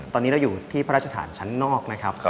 ตอนนี้เราอยู่ที่พระราชฐานชั้นนอกนะครับ